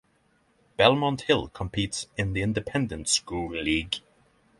Belmont Hill competes in the Independent School League.